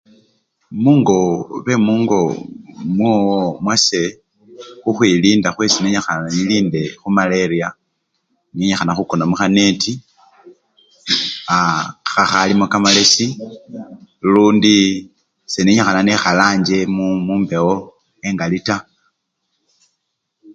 Mungoo! bemungo mwowo! mwase khukhwilinda khwesi nenyikhana nilinde khumaleriya, nenyikhana khukona mukhaneti aa! khakhalimo kamalesi, lundi senenyikhana ekhala anjje mumbewo engali taa.